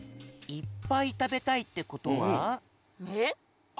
いっぱいたべたいってことは。